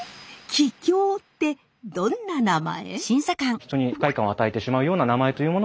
奇きょうってどんな名前？